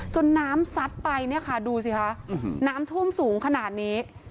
น้ำซัดไปเนี่ยค่ะดูสิคะน้ำท่วมสูงขนาดนี้